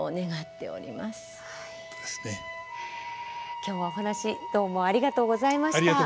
今日はお話どうもありがとうございました。